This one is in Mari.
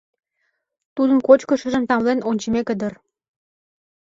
Тудын кочкышыжым тамлен ончымеке дыр.